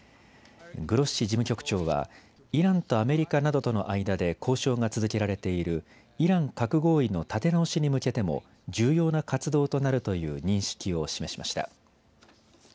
グロッシ事務局長はイランとアメリカなどとの間で交渉が続けられているイラン核合意の立て直しに向けても重要な活動となるという認識を示しました。